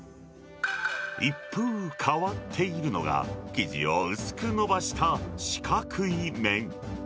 一風変わっているのが、生地を薄くのばした四角い麺。